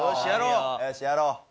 よしやろう！